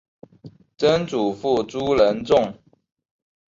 曾祖父朱仁仲。